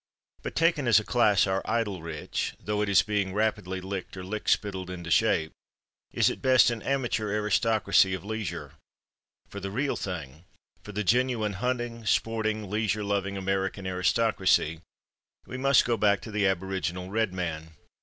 But taken as a class our idle rich (though it is being rapidly licked or lick spittled into shape) is at best an amateur aristocracy of leisure. For the real thing, for the genuine hunting, sporting, leisure loving American aristocracy, we must go back to the aboriginal Red Man.